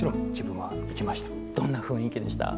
どんな雰囲気でした？